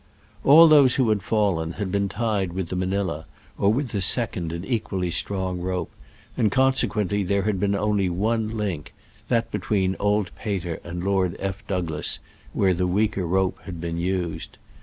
All those who had fallen had beeii tied with the Manila, or with the second and equally strong rope, and consequently there had been only one link — that between old Peter and Lord F. Douglas — where the weaker rope had been used.